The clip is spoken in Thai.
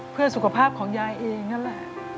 เพื่อสุขภาพของยายเองนั่นแหละ